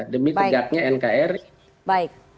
demi tegaknya nkri baik